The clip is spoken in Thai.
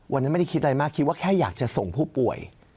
ไม่ได้คิดอะไรมากคิดว่าแค่อยากจะส่งผู้ป่วย